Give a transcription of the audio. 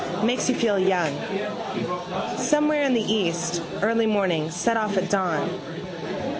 Makes you feel young. Somewhere in the east: early morning: set off at dawn.